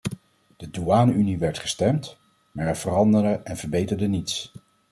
De douane-unie werd gestemd, maar er veranderde en verbeterde niets.